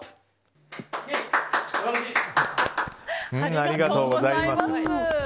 ありがとうございます。